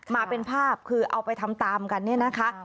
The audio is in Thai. มาเป็นภาพคือเอาไปทำตามกันเนี่ยนะคะ